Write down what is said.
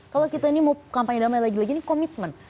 kalau kita ini mau kampanye damai lagi lagi ini komitmen